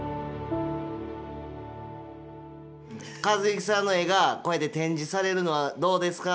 「一幸さんの絵がこうやって展示されるのはどうですか？」